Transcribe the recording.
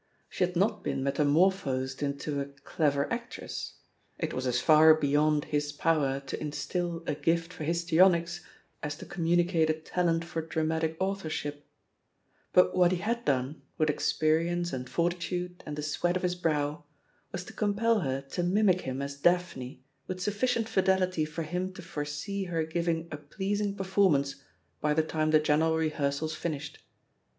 She had not been metamorphosed into a clever actress — ^it was as far beyond his power to instil a gift for histrionics as to commimicate a talent for dramatic authorship — ^but what he had done, with experience and fortitude and the sweat of his brow, was to compel her to mimic him as "Daphne" with sufficient fidelity for him to foresee her giving a pleasing performance by the time the general rehearsals finished.